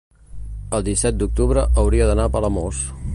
el disset d'octubre hauria d'anar a Palamós.